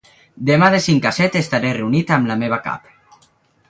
Demà de cinc a set estaré reunit amb la meva cap.